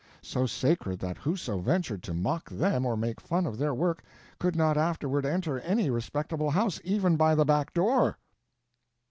So sacred that whoso ventured to mock them or make fun of their work, could not afterward enter any respectable house, even by the back door.